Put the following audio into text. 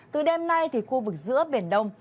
từ đêm nay thì khu vực giữa biển đông